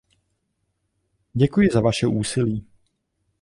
Děkuji za vaše úsilí.